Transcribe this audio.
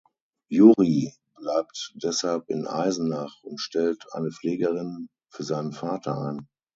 Juri bleibt deshalb in Eisenach und stellt eine Pflegerin für seinen Vater ein.